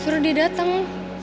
suruh dia dateng